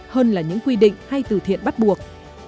hơn là những quy định hay từ thiện bắt buộc